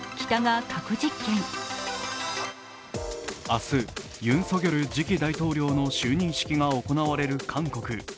明日、ユン・ソギョル次期大統領の就任式が行われる韓国。